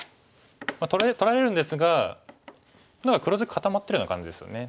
取られるんですが黒地固まってるような感じですよね。